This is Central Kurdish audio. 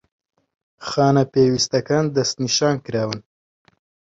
خانە پێویستەکان دەستنیشانکراون